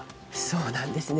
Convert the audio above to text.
そうなんですね。